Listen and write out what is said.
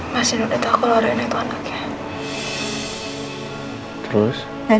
masin udah takut reina itu anaknya